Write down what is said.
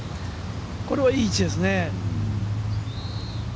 これはいい位置ですね。